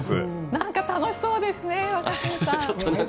なんか楽しそうですね若新さん。